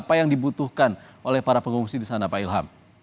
apa yang dibutuhkan oleh para pengungsi di sana pak ilham